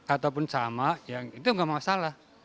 ataupun sama ya itu nggak masalah